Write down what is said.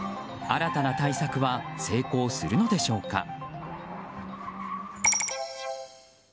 新たな対策は成功するのでしょうか。